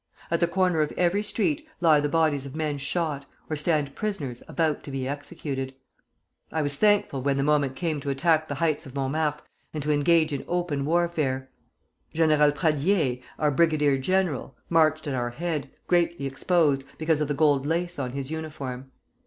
At the corner of every street lie the bodies of men shot, or stand prisoners about to be executed. "I was thankful when the moment came to attack the heights of Montmartre, and to engage in open warfare. General Pradié, our brigadier general, marched at our head, greatly exposed, because of the gold lace on his uniform.